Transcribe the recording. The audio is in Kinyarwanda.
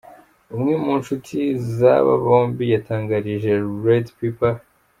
Umwe mu nshuti z’aba bombi, yatangarije redpepper.